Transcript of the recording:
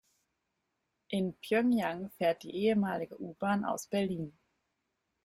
In Pjöngjang fährt die ehemalige U-Bahn aus Berlin.